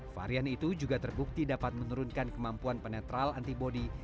varian itu juga terbukti dapat menurunkan kemampuan penetral antibody